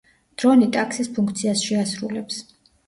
დრონი ტაქსის ფუნქციას შეასრულებს.